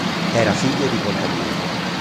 Era figlio di contadini.